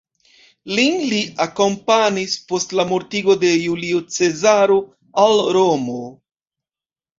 Lin li akompanis, post la mortigo de Julio Cezaro, al Romo.